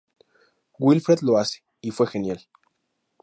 Wilfred lo hace, y fue genial.